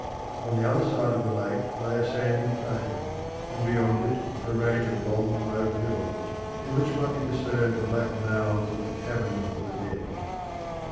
On the other side of the lake lay a sandy plain, and beyond it a range of long, low hills, in which might be discerned the black mouths of the caverns of the dead.